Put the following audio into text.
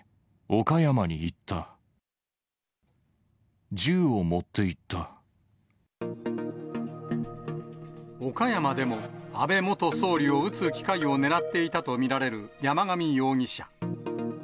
岡山でも安倍元総理を撃つ機会をねらっていたと見られる山上容疑者。